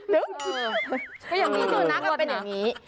เพราะยังมีสุนัขมันเป็นอย่างนี้